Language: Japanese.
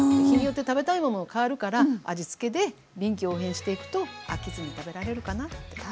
日によって食べたいものも変わるから味つけで臨機応変にしていくと飽きずに食べられるかなと。